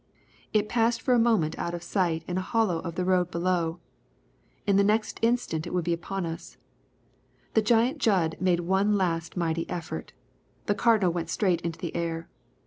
It passed for a moment out of sight in a hollow of the road below. In the next instant it would be on us. The giant Jud made one last mighty effort. The Cardinal went straight into the air.